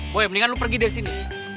boy mendingan lo pergi deh sini